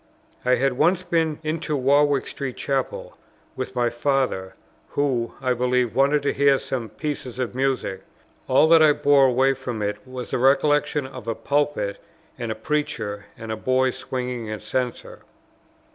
I had once been into Warwick Street Chapel, with my father, who, I believe, wanted to hear some piece of music; all that I bore away from it was the recollection of a pulpit and a preacher, and a boy swinging a censer.